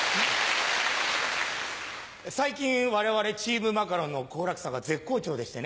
最近我々チームマカロンの好楽さんが絶好調でしてね。